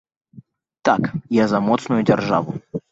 Так, я за моцную дзяржаву.